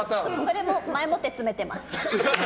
それも前もって詰めてます。